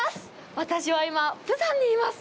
私は今、釜山にいます。